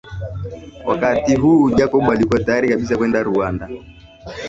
Wakati huu Jacob alikuwa tayari kabisa kwenda Rwanda